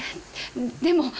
でも。